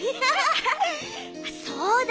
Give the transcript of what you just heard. そうだ！